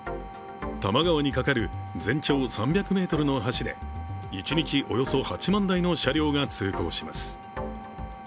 多摩川に架かる全長３００ｍの橋で一日およそ８万台の車両が通行します。